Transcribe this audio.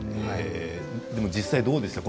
実際どうでしたか？